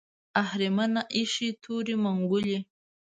اهریمن ایښې تورې منګولې